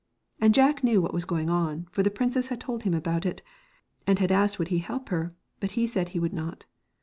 And Jack knew what was going on, for the princess had told him about it, and had asked would he help her, but he said he would not.